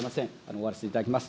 終わらせていただきます。